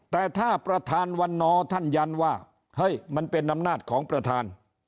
แต่ถ้าประธานวันนอร์ท่านยันว่าเฮ้ยมันเป็นอำนาจของประธาน